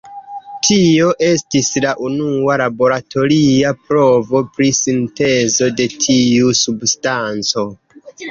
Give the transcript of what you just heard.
Tio estis la unua laboratoria provo pri sintezo de tiu substanco.